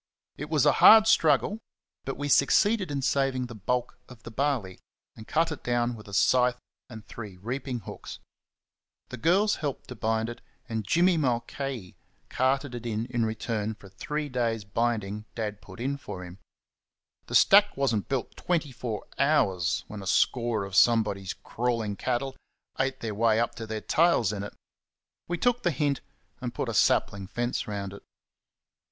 It was a hard struggle, but we succeeded in saving the bulk of the barley, and cut it down with a scythe and three reaping hooks. The girls helped to bind it, and Jimmy Mulcahy carted it in return for three days' binding Dad put in for him. The stack was n't built twenty four hours when a score of somebody's crawling cattle ate their way up to their tails in it. We took the hint and put a sapling fence round it.